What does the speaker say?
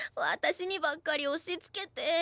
私にばっかり押しつけて。